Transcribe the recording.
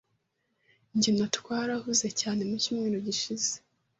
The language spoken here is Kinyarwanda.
Jye na twarahuze cyane mu cyumweru gishize.